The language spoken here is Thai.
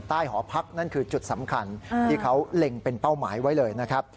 หอพักนั่นคือจุดสำคัญที่เขาเล็งเป็นเป้าหมายไว้เลยนะครับ